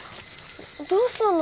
どうしたの？